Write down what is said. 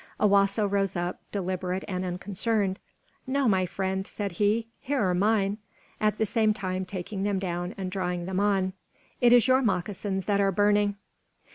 Owasso rose up, deliberate and unconcerned. "No, my friend," said he, "here are mine," at the same time taking them down and drawing them on. "It is your moccasins that are burning."